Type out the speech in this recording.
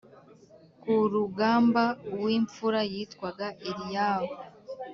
ku rugamba uw imfura yitwaga Eliyabu